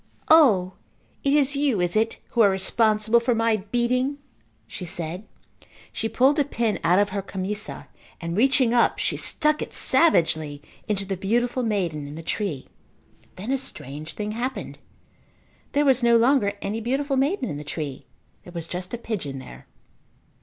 "O, it is you, is it, who are responsible for my beating?" she said. She pulled a pin out of her camisa and, reaching up, she stuck it savagely into the beautiful maiden in the tree. Then a strange thing happened. There was no longer any beautiful maiden in the tree. There was just a pigeon there.